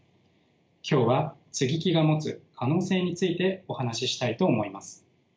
今日は接ぎ木が持つ可能性についてお話ししたいと思います。